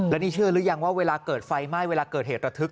แล้วนี่เชื่อหรือยังว่าเวลาเกิดไฟไหม้เวลาเกิดเหตุระทึก